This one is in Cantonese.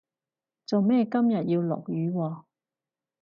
做咩今日要落雨喎